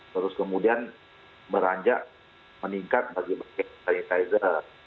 terus kemudian beranjak meningkat bagi bagi prioritizer